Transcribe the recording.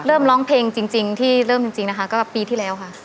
ร้องเพลงจริงที่เริ่มจริงนะคะก็ปีที่แล้วค่ะ